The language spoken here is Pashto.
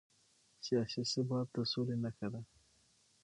سیاسي ثبات د سولې نښه ده